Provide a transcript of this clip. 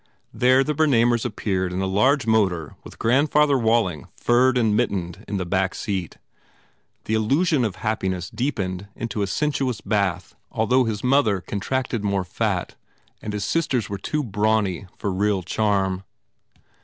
There the Bernamers appeared in a large motor with grand father Walling furred and mittened in the back seat. The illusion of happiness deepened into a sensuous bath, although his mother had con tracted more fat and his sisters were too brawny for real charm.